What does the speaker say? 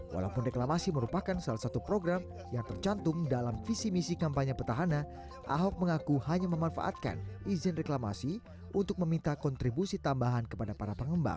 walaupun reklamasi merupakan salah satu program yang tercantum dalam visi misi kampanye petahana ahok mengaku hanya memanfaatkan izin reklamasi untuk meminta kontribusi tambahan kepada para pengembang